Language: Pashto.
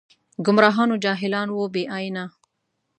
ګمراهان و جاهلان و بې ائينه